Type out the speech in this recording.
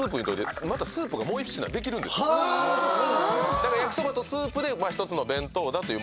だから焼そばとスープで１つの弁当だという。